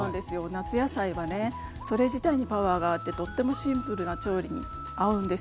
夏野菜はねそれ自体にパワーがあってとってもシンプルな調理に合うんですよ。